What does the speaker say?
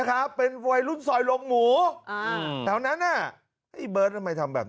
แอบทรัพย์